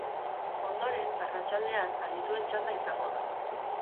Ondoren, arratsaldean, adituen txanda izango da.